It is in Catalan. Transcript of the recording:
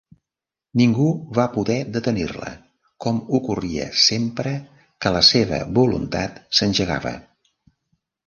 Ningú va poder detenir-la, com ocorria sempre que la seva voluntat s'engegava.